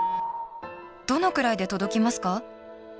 どのくらいで届きますか？